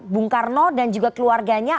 bung karno dan juga keluarganya